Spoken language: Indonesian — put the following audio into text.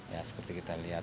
ya seperti kita lihat